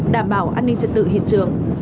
đảm bảo an ninh trật tự hiện trường